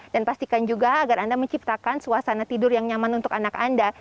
pastikan juga agar anda menciptakan suasana tidur yang nyaman untuk anak anda